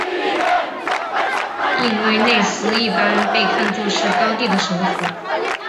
印威内斯一般被看作是高地的首府。